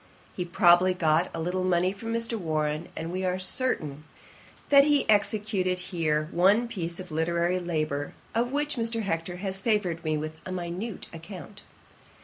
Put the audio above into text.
He probably got a little money from Mr. Warren; and we are certain, that he executed here one piece of literary labour, of which Mr. Hector has favoured me with a minute account.